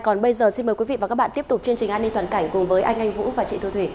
còn bây giờ xin mời quý vị và các bạn tiếp tục chương trình an ninh toàn cảnh cùng với anh anh vũ và chị thư thủy